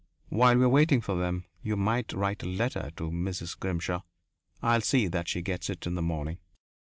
While we're waiting for them, you might write a letter to Mrs. Grimshaw. I'll see that she gets it in the morning."